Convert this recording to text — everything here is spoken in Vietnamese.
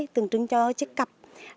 tương trứng cho chiếc cặp